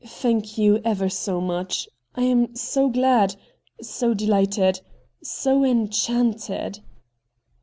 Thank you, ever so much. I am so glad — so dehghted — so enchanted